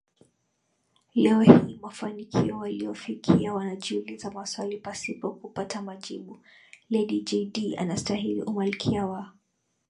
leo hii mafanikio waliyofikia wanajiuliza maswali pasipo kupata majibu Lady Jaydee anastahili umalkia wa